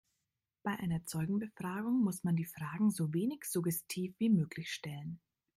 Bei einer Zeugenbefragung muss man die Fragen so wenig suggestiv wie möglich stellen.